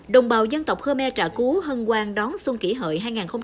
đồng bào dân tộc khô me trả cứu hân quan đón xuân kỷ hợi hai nghìn một mươi chín